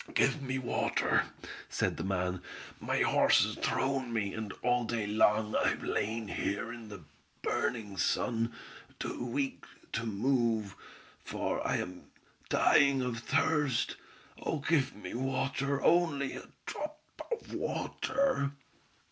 "Give me water!" said the man. "My horse has thrown me, and all day long I have lain here in the burning sun, too weak to move, for I am dying of thirst! Oh give me water, only a drop of water!"